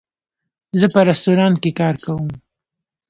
زه په رستورانټ کې کار کوم